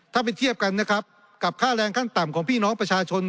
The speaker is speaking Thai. ถ้าไปเทียบกันนะครับกับค่าแรงขั้นต่ำของพี่น้องประชาชน